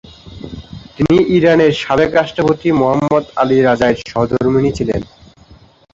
তিনি ইরানের সাবেক রাষ্ট্রপতি মোহাম্মদ আলী-রাজাইর সহধর্মিণী ছিলেন।